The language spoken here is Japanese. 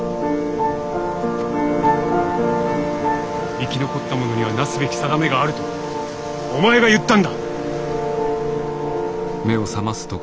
生き残った者にはなすべき定めがあるとお前が言ったんだ。